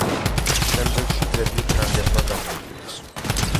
შემდეგში ძეგლი ფრანგებმა გამოიკვლიეს.